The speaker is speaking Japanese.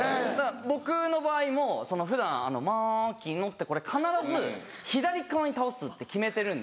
僕の場合も普段「まきのっ」ってこれ必ず左側に倒すって決めてるんで。